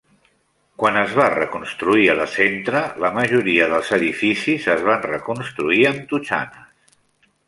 Quan es va reconstruir el centre, la majoria dels edificis es van reconstruir amb totxanes.